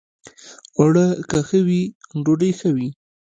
اوړه که ښه وي، ډوډۍ ښه وي